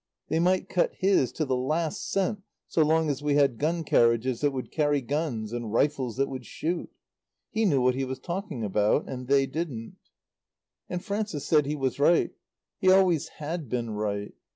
They might cut his to the last cent so long as we had gun carriages that would carry guns and rifles that would shoot. He knew what he was talking about and they didn't. And Frances said he was right. He always had been right.